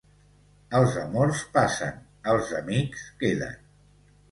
Els amors passen, els amics queden.